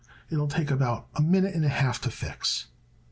It'll take about a minute and a half to fix."